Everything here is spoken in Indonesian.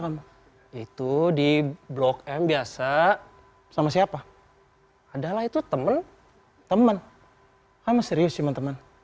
kamu itu di blog m biasa sama siapa adalah itu temen temen kamu serius cuman temen